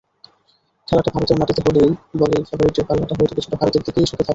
খেলাটা ভারতের মাটিতে বলেই ফেবারিটের পাল্লাটা হয়তো কিছুটা ভারতের দিকেই ঝুঁকে থাকবে।